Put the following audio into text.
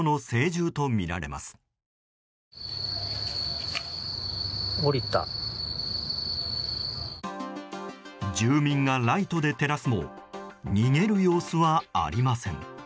住民がライトで照らすも逃げる様子はありません。